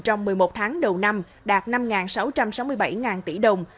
trong một mươi một tháng đầu năm đạt năm sáu trăm sáu mươi bảy tỷ đồng